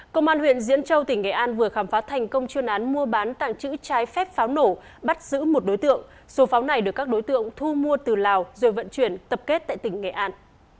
công an huyện diễn châu tỉnh nghệ an vừa khám phá thành công chuyên án mua bán tàng trữ trái phép pháo nổ bắt giữ một đối tượng số pháo này được các đối tượng thu mua từ lào rồi vận chuyển tập kết tại tỉnh nghệ an